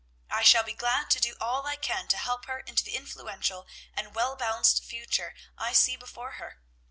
I shall be glad to do all I can to help her into the influential and well balanced future I see before her.